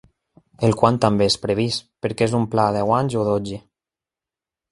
El quan també és previst, perquè és un pla a deu anys o dotze.